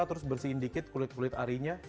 terus bersihin dikit kulit kulit arinya